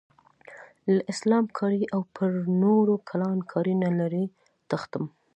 له اسلام کارۍ او پر نورو کلان کارۍ نه لرې تښتم.